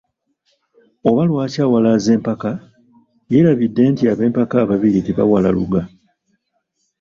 Oba lwaki awalaza empaka?yeerabidde nti, ab'empaka ababiri tebawala luga.